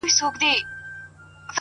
چي څه وکړم لوټمارې ته ولاړه ده حيرانه